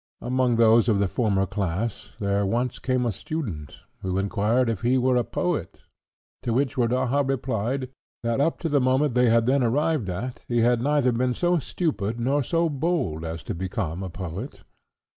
Among those of the former class, there once came a student, who inquired if he were a poet, to which Rodaja replied, that up to the moment they had then arrived at, he had neither been so stupid nor so bold as to become a poet.